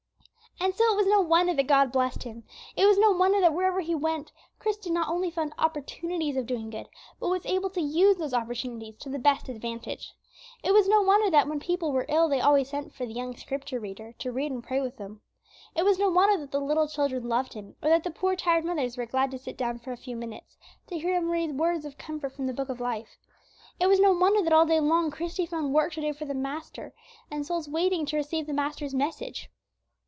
And so it was no wonder that God blessed him. It was no wonder that wherever he went Christie not only found opportunities of doing good, but was able to use those opportunities to the best advantage. It was no wonder that when the people were ill they always sent for the young Scripture reader to read and pray with them. It was no wonder that the little children loved him, or that the poor, tired mothers were glad to sit down for a few minutes to hear him read words of comfort from the Book of life. It was no wonder that all day long Christie found work to do for the Master, and souls waiting to receive the Master's message.